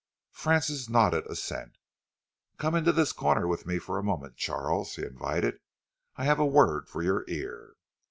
Francis nodded assent. "Come into this corner with me for a moment, Charles," he invited. "I have a word for your ear."